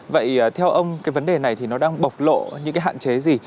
vậy theo ông cái vấn đề này thì nó đang bộc lộ những cái hạn chế gì